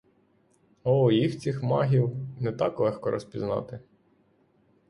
О, їх цих магів, не так легко розпізнати.